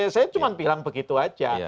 saya cuma bilang begitu saja